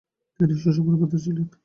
তিনি সুসম্মানের পাত্র ছিলেন।